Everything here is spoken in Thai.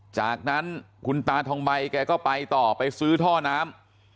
จากนั้นคุณตาทองใบแกก็ไปต่อไปซื้อท่อน้ำ